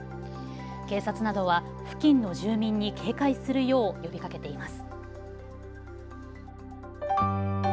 警察などは付近の住民に警戒するよう呼びかけています。